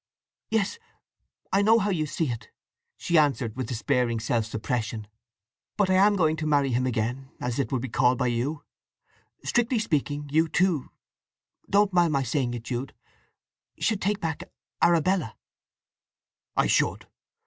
"Yes; I know how you see it," she answered with despairing self suppression. "But I am going to marry him again, as it would be called by you. Strictly speaking you, too—don't mind my saying it, Jude!—you should take back—Arabella." "I should?